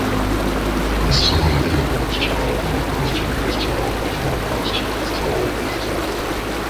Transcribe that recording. The superlative of "most powerful" comes from its water flow times its fall distance.